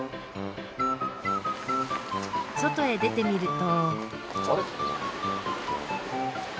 外へ出てみると。